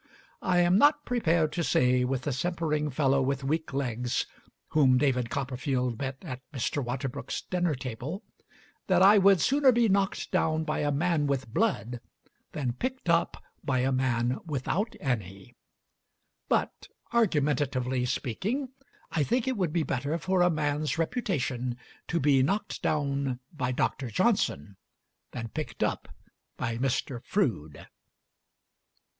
I am not prepared to say, with the simpering fellow with weak legs whom David Copperfield met at Mr. Waterbrook's dinner table, that I would sooner be knocked down by a man with blood than picked up by a man without any; but, argumentatively speaking, I think it would be better for a man's reputation to be knocked down by Dr. Johnson than picked up by Mr. Froude.